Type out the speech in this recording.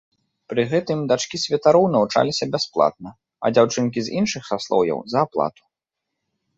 Пры гэтым дачкі святароў навучаліся бясплатна, а дзяўчынкі з іншых саслоўяў за аплату.